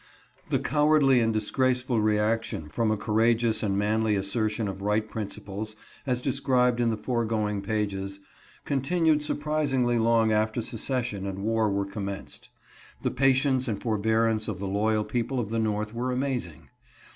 THE cowardly and disgraceful reaction from a cour ageous and manly assertion of right principles, as described in the foregoing pages, continued surprisingly long after secession and war were commenced. The patience and forbearance of the loyal people of the North were amazing.